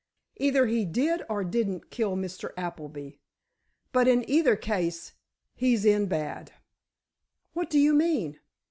Either he did or didn't kill Mr. Appleby, but in either case, he's in bad." "What do you mean?"